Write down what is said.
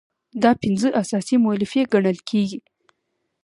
دا پنځه اساسي مولفې ګڼل کیږي.